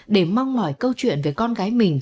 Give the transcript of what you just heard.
để mong mỏi câu chuyện về con gái mình